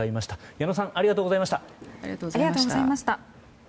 矢野さんありがとうございました。